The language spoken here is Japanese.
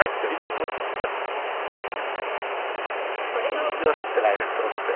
全然わかってないなと思って。